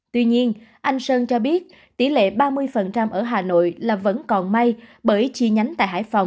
tuy nhiên anh sơn cho biết tỷ lệ ba mươi ở hà nội là vẫn còn may bởi chi nhánh tại hải phòng